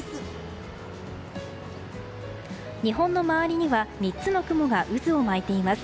日本の周りには３つの雲が渦を巻いています。